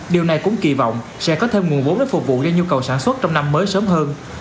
điều này cũng kỳ vọng sẽ có thêm nguồn vốn để phục vụ cho nhu cầu sản xuất trong năm mới sớm hơn